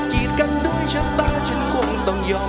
กีดกันด้วยภูภาสูงชั้น